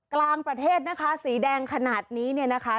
กลางประเทศนะคะสีแดงขนาดนี้เนี่ยนะคะ